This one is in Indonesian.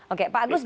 oke pak agus